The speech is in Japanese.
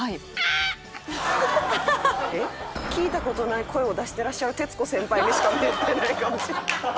聞いた事ない声を出していらっしゃる徹子先輩にしか見えてないかも。